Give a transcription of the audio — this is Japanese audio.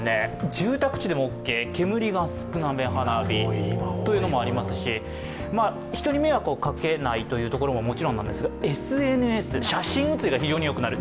住宅地でもオッケー、煙が少なめ花火というのもありますし人に迷惑をかけないというところももちろんなんですが、ＳＮＳ、写真写りが非常によくなる。